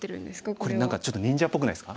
これ何かちょっと忍者っぽくないですか。